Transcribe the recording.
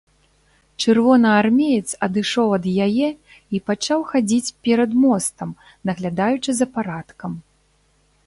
Чырвонаармеец адышоў ад яе і пачаў хадзіць перад мостам, наглядаючы за парадкам.